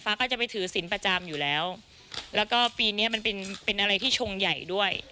ก็จะไปถือศิลป์ประจำอยู่แล้วแล้วก็ปีเนี้ยมันเป็นเป็นอะไรที่ชงใหญ่ด้วย